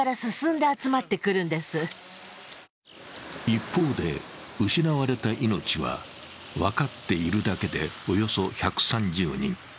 一方で失われた命は分かっているだけで、およそ１３０人。